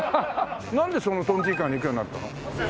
なんでそこの豚珍館に行くようになったの？